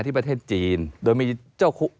ประเทศจีนโดยมีเจ้าคุก